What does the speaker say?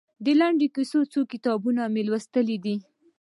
د لنډو کیسو څو کتابونه مو لوستي دي؟